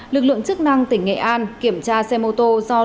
lực lượng chức năng tỉnh nghệ an kiểm tra xe mô tô do lương văn thành